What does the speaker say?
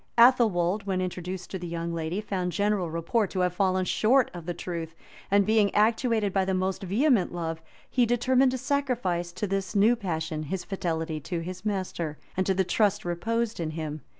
Athelwold, when introduced to the young lady, found general report to have fallen short of the truth; and being actuated by the most vehement love, he determined to sacrifice to this new passion his fidelity to his master, and to the trust reposed in him.